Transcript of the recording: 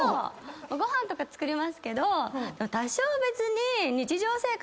ご飯とか作りますけど多少は別に日常生活。